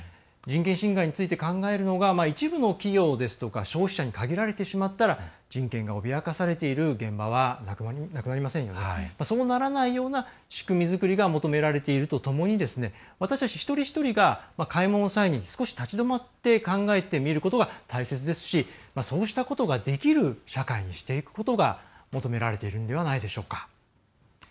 人権侵害について考えるのが一部の企業ですとか消費者に限られてしまったら人権が脅かされてしまっている現場はなくなりませんのでそうならないような仕組み作りが求められているとともに私たち一人一人が買い物の際に少し立ち止まって考えてみることが大切ですしそうしたことができる社会にしていくことが求められているのではないでしょうか。